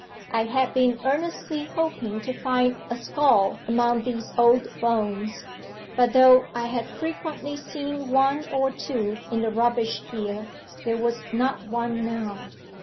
I had been earnestly hoping to find a skull among these old bones; but though I had frequently seen one or two in the rubbish here, there was not one now.